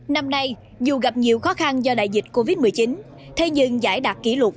năm nay dù gặp nhiều khó khăn do đại dịch covid một mươi chín thế nhưng giải đạt kỷ lục